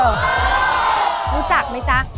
รู้จักมั้ยจ๊ะ